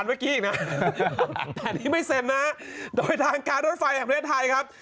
เมื่อกี้อีกนะแต่นี่ไม่เซ็นนะโดยทางการรถไฟแห่งประเทศไทยครับ